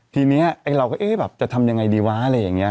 ทีนี้ไอ้เราก็เอ๊ะแบบจะทำยังไงดีวะอะไรอย่างนี้